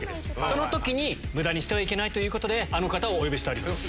その時に無駄にしてはいけないとあの方をお呼びしてあります。